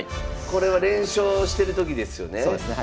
これは連勝してる時ですよね？